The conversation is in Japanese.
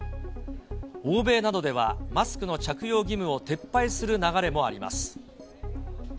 欧米などでは、マスクの着用義務を撤廃する流れもあります。